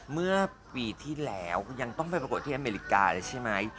เมื่อปีที่แล้วยังต้องไปประกวดที่อเมริกาเลยใช่ไหม